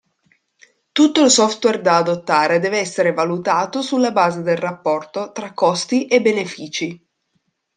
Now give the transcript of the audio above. Tutto il software da adottare deve essere valutato sulla base del rapporto tra costi e benefici.